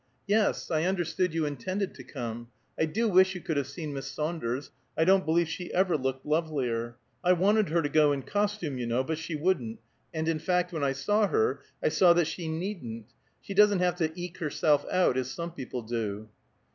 "Yes, I understood you intended to come. I do wish you could have seen Miss Saunders! I don't believe she ever looked lovelier. I wanted her to go in costume, you know, but she wouldn't, and in fact when I saw her, I saw that she needn't. She doesn't have to eke herself out, as some people do."